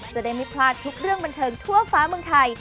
จะได้ไม่พลาดทุกเรื่องบันเทิงทั่วฟ้าเมืองไทย